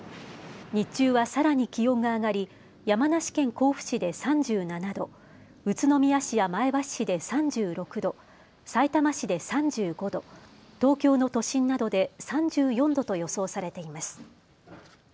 日中はさらに気温が上がり山梨県甲府市で３７度、宇都宮市や前橋市で３６度、さいたま市で３５度、東京の都心などで３４度と予想されています。